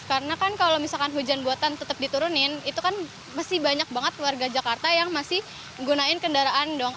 karena kan kalau misalkan hujan buatan tetap diturunin itu kan masih banyak banget warga jakarta yang masih menggunakan kendaraan dong